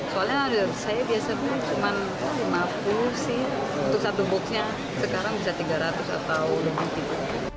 soalnya saya biasanya cuma lima puluh sih untuk satu boxnya sekarang bisa tiga ratus atau lebih